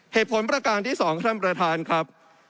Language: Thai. เหตุผลประการที่๒ท่านประธานครับ